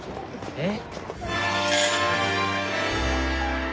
えっ？